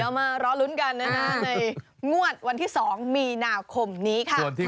เดี๋ยวมาร้อนรุ้นกันนะในงวดวันที่๒มีนาคมนี้